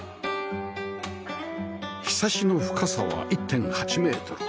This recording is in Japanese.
ひさしの深さは １．８ メートル